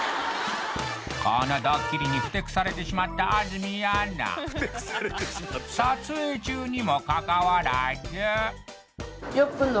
このドッキリにふてくされてしまった安住アナ撮影中にもかかわらずよく来んの？